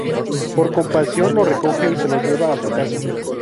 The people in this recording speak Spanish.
Por compasión lo recoge y se lo lleva a su casa.